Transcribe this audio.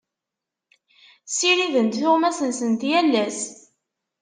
Ssirident tuɣmas-nsent yal ass.